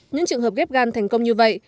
những trường hợp ghép gan thành công như vậy